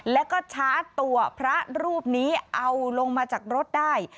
แล้วก็ชาร์จตัวพระรูปนี้เอาลงมาจากรถได้